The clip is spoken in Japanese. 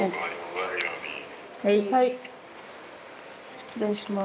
失礼します。